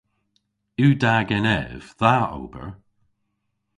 Yw da genev dha ober?